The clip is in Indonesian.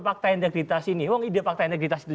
fakta integritas ini wong ide fakta integritas itu